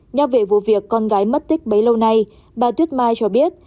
nhắc về vụ việc con gái mất tích bấy lâu nay bà tuyết mai cho biết